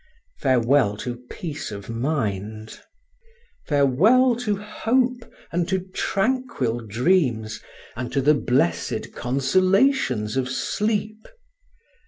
Farewell to peace of mind! Farewell to hope and to tranquil dreams, and to the blessed consolations of sleep.